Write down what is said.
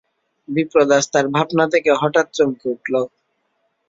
বিপ্রদাস তার ভাবনা থেকে হঠাৎ চমকে উঠল।